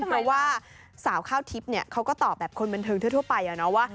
เพราะว่าสาวข้าวทิพย์เขาก็ตอบแบบคนบันเทิงทั่วไปว่า